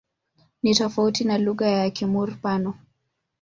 Ni tofauti na lugha ya Kimur-Pano.